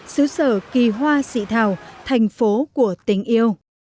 xứ sở kỳ hoa sị thảo thành phố của tình yêu